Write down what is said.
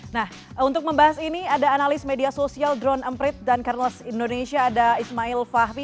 nah untuk membahas ini ada analis media sosial drone emprit dan kerles indonesia ada ismail fahmi